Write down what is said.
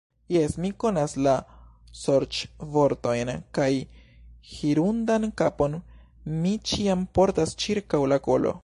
Jes, mi konas la sorĉvortojn kaj hirundan kapon mi ĉiam portas ĉirkaŭ la kolo.